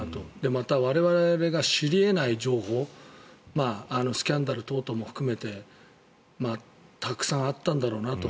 また、我々が知り得ない情報スキャンダル等々も含めてたくさんあったんだろうなと。